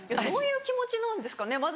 どういう気持ちなんですかね？